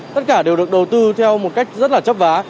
tất cả đều được đầu tư theo một cách rất là chấp vá